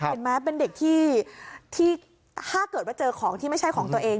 เห็นไหมเป็นเด็กที่ถ้าเกิดว่าเจอของที่ไม่ใช่ของตัวเอง